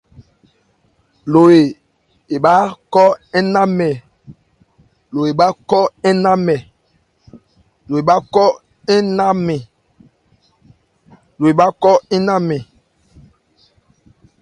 Lò ebhá khó ńnánmɛ.